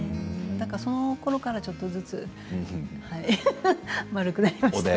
だからそのころからちょっとずつ丸くなりました。